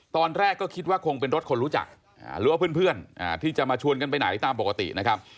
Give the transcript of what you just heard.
ตอนแรกก็คิดว่าคงเป็นรถคนรู้จักหรือว่าเพื่อนที่จะมาชวนกันไปไหนตามปกตินะครับ